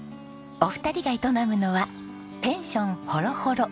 お二人が営むのは「ペンションほろほろ」。